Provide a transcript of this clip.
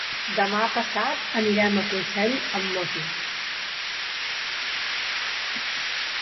Demà passat anirem a Consell amb moto.